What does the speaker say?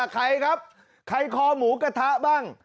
ใครครับใครคอหมูกระทะบ้าง